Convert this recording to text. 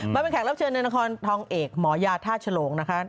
มาเป็นแขกรับเชิญในนครทองเอกหมอยาท่าฉลงนะคะ